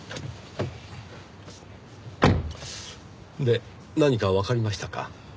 で何かわかりましたか？